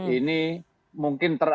ini mungkin terlalu